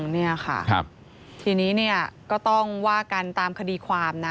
นี่ค่ะทีนี้เนี่ยก็ต้องว่ากันตามคดีความนะ